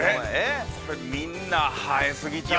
みんな生えすぎちゃう。